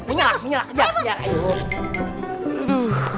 minyalak minyalak kejar kejar